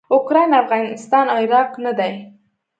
اوکراین افغانستان او عراق نه دي.